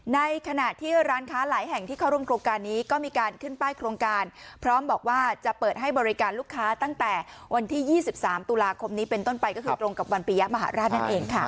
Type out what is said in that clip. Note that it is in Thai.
ในขณะที่ร้านค้าหลายแห่งที่เข้าร่วมโครงการนี้ก็มีการขึ้นป้ายโครงการพร้อมบอกว่าจะเปิดให้บริการลูกค้าตั้งแต่วันที่๒๓ตุลาคมนี้เป็นต้นไปก็คือตรงกับวันปียะมหาราชนั่นเองค่ะ